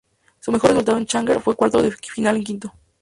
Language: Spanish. Su mejor resultado en Challenger fue cuartos de final en Quito.